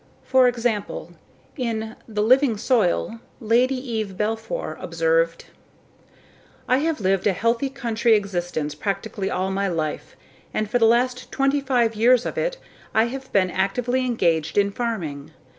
For example, in The Living Soil, Lady Eve Balfour observed: "I have lived a healthy country existence practically all my life, and for the last 25 years of it I have been actively engaged in farming.